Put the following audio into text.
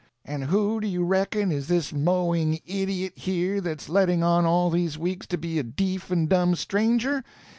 "And who do you reckon is this mowing idiot here that's letting on all these weeks to be a deef and dumb stranger?